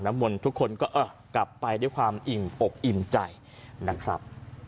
น้ำมนทุกคนก็เออกลับไปด้วยความอิ่มอบอิ่มใจนะครับ